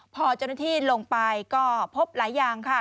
พอจนที่ลงไปก็พบหลายอย่างค่ะ